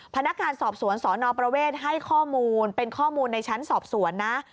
พนักงานสอบสวนสนประเวทให้ข้อมูลเป็นข้อมูลในชั้นสอบสวนนะ